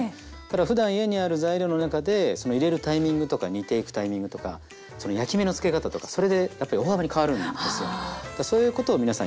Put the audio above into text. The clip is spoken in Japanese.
ふだん家にある材料の中で入れるタイミングとか煮ていくタイミングとか焼き目のつけ方とかそれでやっぱり大幅に変わるんですよ。